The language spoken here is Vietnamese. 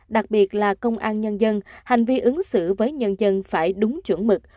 đặc biệt là công an nhân dân hành vi ứng xử với nhân dân phải đúng chuẩn mực